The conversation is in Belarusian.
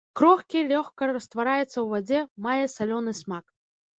Крохкі, лёгка раствараецца ў вадзе, мае салёны смак.